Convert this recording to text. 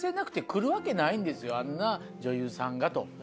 あんな女優さんが！と。